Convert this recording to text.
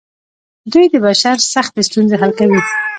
دوی د بشر سختې ستونزې حل کوي.